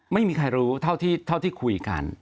ไม่มีใครรู้เท่าที่คุยกัน